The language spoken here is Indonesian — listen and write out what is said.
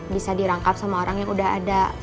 bisa dirangkap sama orang yang udah ada